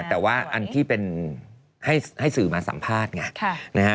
แต่ว่าอันที่เป็นให้สื่อมาสัมภาษณ์ไง